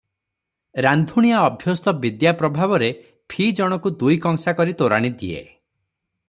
ରାନ୍ଧୁଣିଆ ଅଭ୍ୟସ୍ତ ବିଦ୍ୟା ପ୍ରଭାବରେ ଫି ଜଣକୁ ଦୁଇ କଂସା କରି ତୋରାଣି ଦିଏ ।